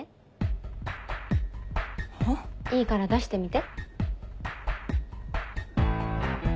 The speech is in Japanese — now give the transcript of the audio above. いいから出してみて。